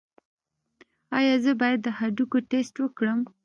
ایا زه باید د هډوکو ټسټ وکړم؟